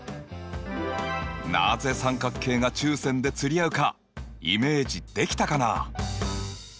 なぜ三角形が中線で釣り合うかイメージできたかな？